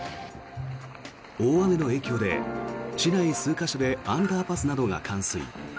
大雨の影響で、市内数か所でアンダーパスなどが冠水。